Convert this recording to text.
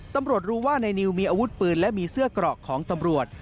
ตำรวจรู้ว่านายนิวมีอาวุธปืนและมีเสื้อกรอกของตำรวจ